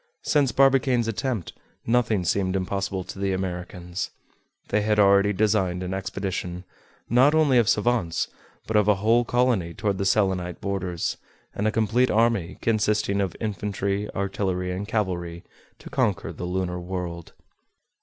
Since Barbicane's attempt, nothing seemed impossible to the Americans. They had already designed an expedition, not only of savants, but of a whole colony toward the Selenite borders, and a complete army, consisting of infantry, artillery, and cavalry, to conquer the lunar world.